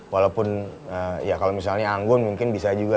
walaupun ya kalau misalnya anggun mungkin bisa juga